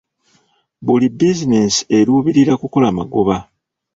Buli bizinensi eruubirira kukola magoba.